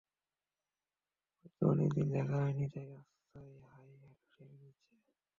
হয়তো অনেক দিন দেখা হয়নি, তাই রাস্তায় হাই হ্যালো সেরে নিচ্ছে।